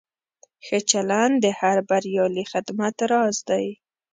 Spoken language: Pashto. ښه چلند د هر بریالي خدمت راز دی.